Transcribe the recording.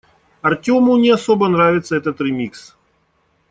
Артёму не особо нравится этот ремикс.